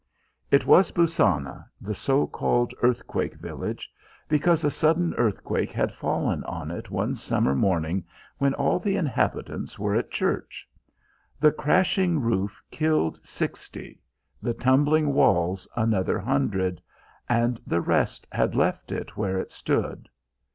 It was Bussana, the so called earthquake village, because a sudden earthquake had fallen on it one summer morning when all the inhabitants were at church. The crashing roof killed sixty, the tumbling walls another hundred, and the rest had left it where it stood.